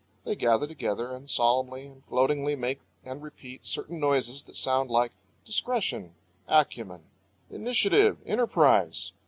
They gather together and solemnly and gloatingly make and repeat certain noises that sound like "discretion," "acumen," "initiative," "enterprise."